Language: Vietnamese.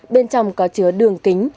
bên trong có chứa đường kính